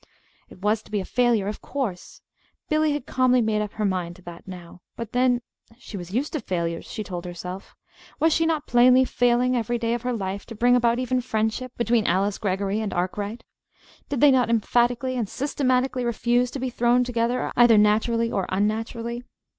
It was to be a failure, of course. Billy had calmly made up her mind to that, now. But then, she was used to failures, she told herself. Was she not plainly failing every day of her life to bring about even friendship between Alice Greggory and Arkwright? Did they not emphatically and systematically refuse to be "thrown together," either naturally, or unnaturally?